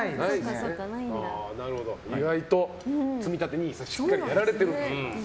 意外とつみたてＮＩＳＡをしっかりやられてると。